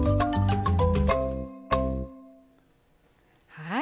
はい。